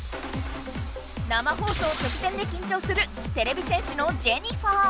生放送直前できんちょうするてれび戦士のジェニファー。